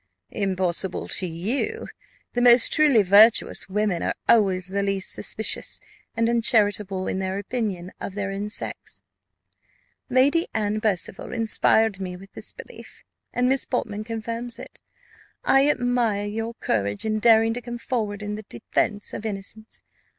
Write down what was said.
"Impossible to you: the most truly virtuous women are always the least suspicious and uncharitable in their opinion of their own sex. Lady Anne Percival inspired me with this belief, and Miss Portman confirms it. I admire your courage in daring to come forward in the defence of innocence.